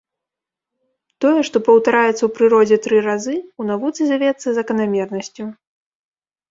Тое, што паўтараецца ў прыродзе тры разы, у навуцы завецца заканамернасцю.